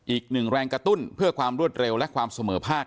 อีกหนึ่งแรงกระตุ้นเพื่อความรวดเร็วและความเสมอภาค